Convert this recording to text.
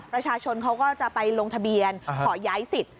ประชาชนเขาก็จะไปลงทะเบียนขอย้ายสิทธิ